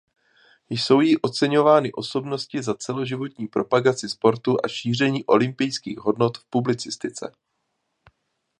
Jsou jí oceňovány osobnosti za celoživotní propagaci sportu a šíření olympijských hodnot v publicistice.